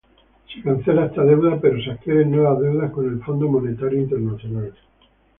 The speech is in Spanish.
Se cancela esta deuda pero se adquieren nuevas deudas con el Fondo Monetario Internacional.